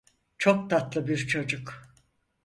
Çok tatlı bir çocuk.